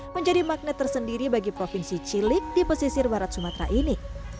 menjadi magnet tersendiri bagi provinsi cilik di pesisir barat sumatera ini